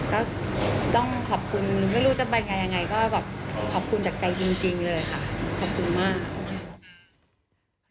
ก็ต้องขอบคุณไม่รู้จะไปไงยังไงก็แบบขอบคุณจากใจจริงเลยค่ะขอบคุณมาก